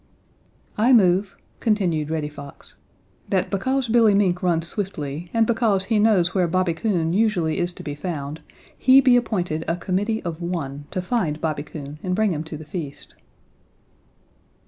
"I move," continued Reddy Fox, "that because Billy Mink runs swiftly, and because he knows where Bobby Coon usually is to be found, he be appointed a committee of one to find Bobby Coon and bring him to the feast."